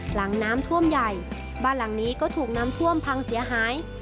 หลังน้ำท่วมใหญ่บ้านหลังนี้ก็ถูกน้ำท่วมพังเสียหาย